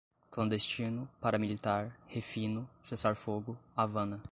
clandestino, paramilitar, refino, cessar-fogo, Havana